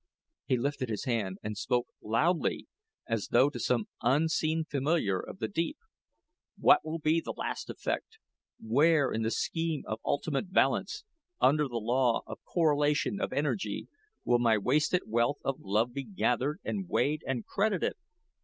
He lifted his hand and spoke loudly, as though to some unseen familiar of the deep. "What will be the last effect? Where in the scheme of ultimate balance under the law of the correlation of energy, will my wasted wealth of love be gathered, and weighed, and credited?